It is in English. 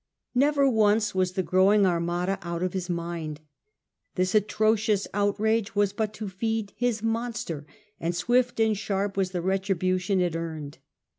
Never once was the growing Armada out of his mind. This atrocious outrage was but to feed his monster, and swift and sharp was the retribution it earned.